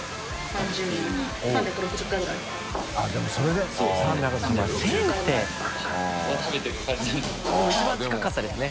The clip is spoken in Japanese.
でも１番近かったですね。